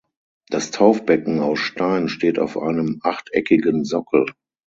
Das Taufbecken aus Stein steht auf einem achteckigen Sockel.